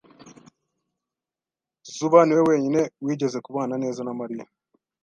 Zuba niwe wenyine wigeze kubana neza na Mariya.